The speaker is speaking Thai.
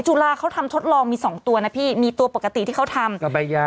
จุฬาเขาทำทดลองมี๒ตัวนะพี่มีตัวปกติที่เขาทำ